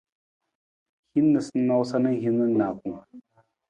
Hin noosanoosa na hiwung na nijakung.